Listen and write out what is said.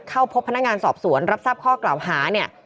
เข้าพบพนักงานสอบสวนรับทราบข้อกล่าวหาเนี่ย